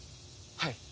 はい。